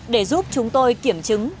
để giúp chúng tôi kiểm chứng